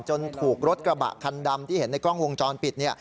ถูกรถกระบะคันดำที่เห็นในกล้องวงจรปิด